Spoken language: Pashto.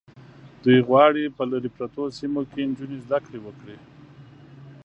دوی غواړي په لرې پرتو سیمو کې نجونې زده کړې وکړي.